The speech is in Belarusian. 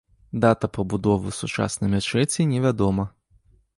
Дата пабудовы сучаснай мячэці не вядома.